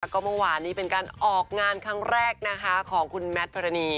ก็เมื่อวานนี้เป็นการออกงานครั้งแรกนะคะของคุณแมทพรณี